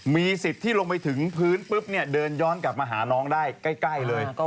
มีสิทธิ์ที่ลงไปถึงพื้นปุ๊บเนี่ยเดินย้อนกลับมาหาน้องได้ใกล้เลย